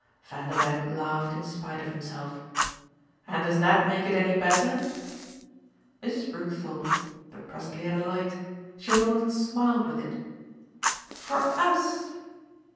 Vanderbank laughed in spite of himself. "And does that make it any better?" Mrs. Brook thought, but presently had a light she almost smiled with it. "For US!"